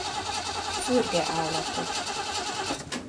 Fürge állatok.